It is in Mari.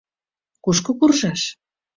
Кушко куржаш?